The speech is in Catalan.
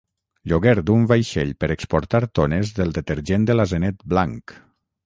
Lloguer d'un vaixell per exportar tones del detergent de l'asenet blanc.